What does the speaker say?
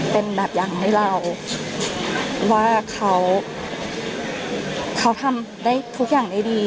เป็นแบบอย่างให้เราว่าเขาทำได้ทุกอย่างได้ดี